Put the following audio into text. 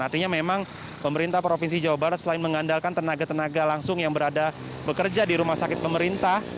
artinya memang pemerintah provinsi jawa barat selain mengandalkan tenaga tenaga langsung yang berada bekerja di rumah sakit pemerintah